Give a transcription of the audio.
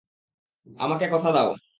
আমাকে কথা দাও।